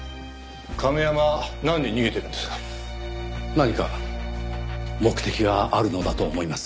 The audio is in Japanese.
何か目的があるのだと思います。